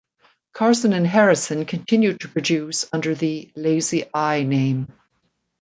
Carson and Harrison continue to produce under the "Lazy Eye" name.